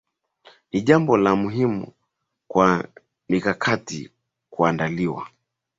Ni jambo la muhimu kwa mikakati kuandaliwa